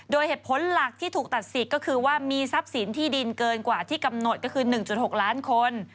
โดยเหตุผลหลักที่ถูกตัดสิทธิ์ก็คือว่ามีทรัพย์สินที่ดินเกินกว่าที่กำหนดก็คือ๑๖ล้านคน